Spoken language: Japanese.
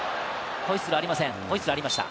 ホイッスルがありました。